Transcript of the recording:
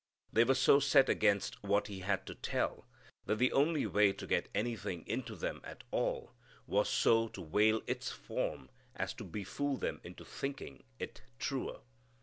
They were so set against what He had to tell that the only way to get anything into them at all was so to veil its form as to befool them into thinking it truer.